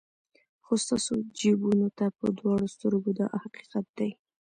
خو ستاسو جیبونو ته په دواړو سترګو دا حقیقت دی.